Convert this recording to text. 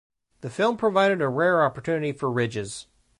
The film provided a rare opportunity for Ridges.